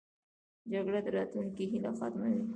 جګړه د راتلونکې هیله ختموي